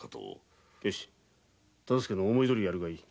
よし大岡の思いどおりにやるがいい。